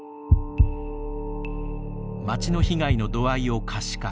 町の被害の度合いを可視化。